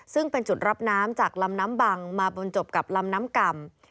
ซึ่งเป็นจุดรับน้ำจากลำน้ำบังมาบนจบกับลำน้ำก่ำ